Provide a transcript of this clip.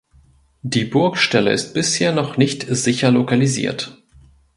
Die Burgstelle ist bisher noch nicht sicher lokalisiert.